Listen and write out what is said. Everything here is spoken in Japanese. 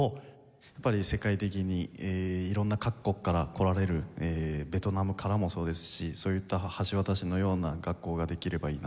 やっぱり世界的に色んな各国から来られるベトナムからもそうですしそういった橋渡しのような学校ができればいいなと思ってます。